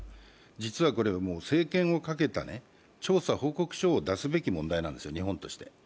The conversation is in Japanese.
実はこれ政権をかけた調査報告書を出すべき問題なんですよ、日本として。